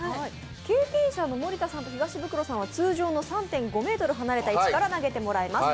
経験者の森田さんと東ブクロさんは通常の３．５ｍ離れた位置から投げてもらいます。